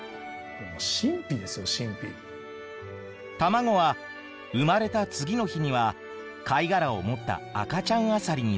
卵は生まれた次の日には貝殻を持った赤ちゃんアサリになる。